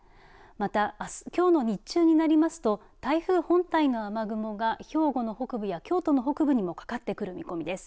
またきょうの日中になりますと台風本体の雨雲が兵庫の北部や京都の北部にもかかってくる見込みです。